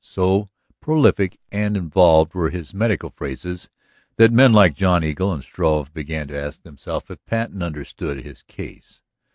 So prolific and involved were his medical phrases that men like John Engle and Struve began to ask themselves if Patten understood his case.